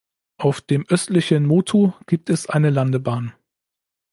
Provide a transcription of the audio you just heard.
Auf dem östlichen Motu gibt es eine Landebahn.